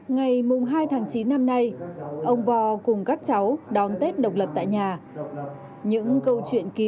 ngày hai tháng chín năm nay ông vò cùng các cháu đón tết độc lập tại nhà những câu chuyện kỳ